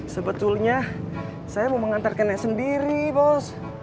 sebetulnya saya mau mengantarkan nek sendiri bos